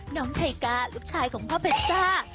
น้อมไทกาลูกชายของพ่อเผจ้า